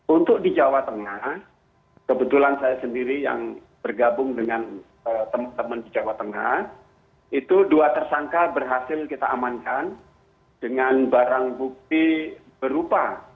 untuk di jawa tengah kebetulan saya sendiri yang bergabung dengan teman teman di jawa tengah itu dua tersangka berhasil kita amankan dengan barang bukti berupa